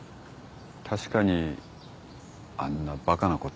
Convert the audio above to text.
確かにあんなバカなこと。